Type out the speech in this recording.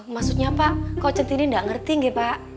maksudnya pak kok centini gak ngerti enggak pak